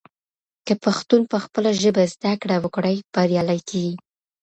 که پښتون پخپله ژبه زده کړه وکړي، بریالی کیږي.